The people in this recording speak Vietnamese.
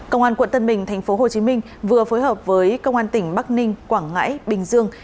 công an quận tân bình tp hcm vừa phối hợp với công an tỉnh bắc ninh quảng ngãi bình dương